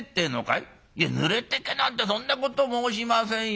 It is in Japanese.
「いやぬれてけなんてそんなこと申しませんよ。